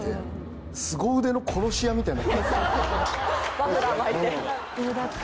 マフラー巻いて。